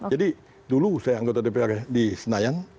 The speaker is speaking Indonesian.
jadi dulu saya anggota dpr di senayan